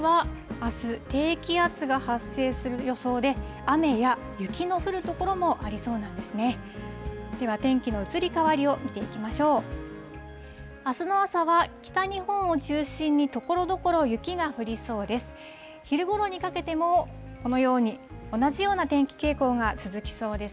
あすの朝は、北日本を中心にところどころ雪が降りそうです。